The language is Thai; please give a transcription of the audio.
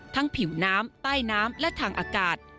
ผิวน้ำใต้น้ำและทางอากาศ